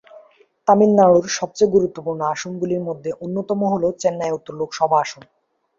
তামিলনাড়ুর সবচেয়ে গুরুত্বপূর্ণ আসনগুলির মধ্যে অন্যতম হল চেন্নাই উত্তর লোকসভা আসন।